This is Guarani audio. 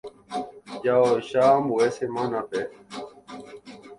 Jajoecha ambue semana-pe.